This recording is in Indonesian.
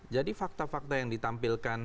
jadi fakta fakta yang ditampilkan